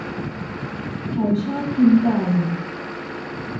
เขาชอบกินไก่